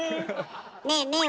ねえねえ